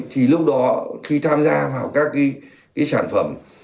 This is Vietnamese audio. thì lúc đó khi tham gia vào các cái sản phẩm